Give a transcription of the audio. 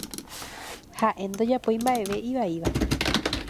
Haʼe ndojapói mbaʼeve ivaíva.